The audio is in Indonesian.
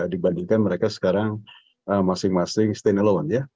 dibandingkan mereka sekarang masing masing stand alone ya